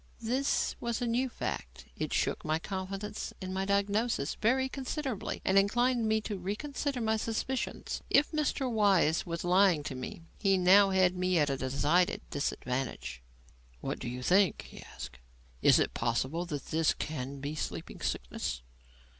This was a new fact. It shook my confidence in my diagnosis very considerably, and inclined me to reconsider my suspicions. If Mr. Weiss was lying to me, he now had me at a decided disadvantage. "What do you think?" he asked. "Is it possible that this can be sleeping sickness?"